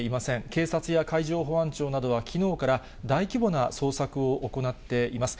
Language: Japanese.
警察や海上保安庁などは、きのうから大規模な捜索を行っています。